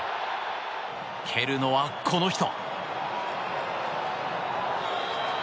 蹴るのは、この人。